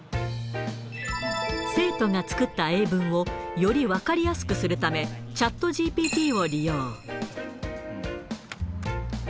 生徒が作った英文をより分かりやすくするため、チャットＧＰＴを利用。